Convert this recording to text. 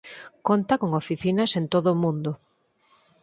Conta con oficinas en todo o mundo.